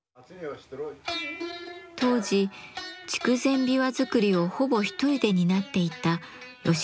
当時筑前琵琶作りをほぼ一人で担っていた吉塚元三郎さんに弟子入り。